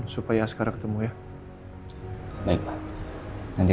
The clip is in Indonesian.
silahkan mbak mbak